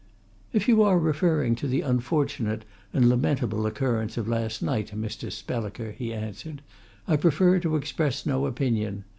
"If you are referring to the unfortunate and lamentable occurrence of last night, Mr. Spelliker," he answered, "I prefer to express no opinion.